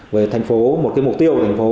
về thành phố một mục tiêu của thành phố